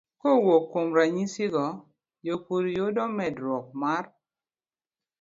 Kowuok kuom ranyisi go, jopur yudo medruok mar